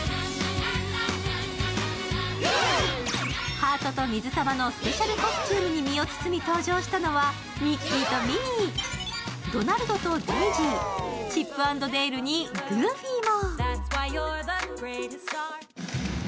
ハートと水玉のスペシャルコスチュームに身を包み登場したのはミッキーとミニー、ドナルドとデイジー、チップ＆デールにグーフィーも。